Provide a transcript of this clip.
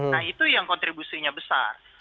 nah itu yang kontribusinya besar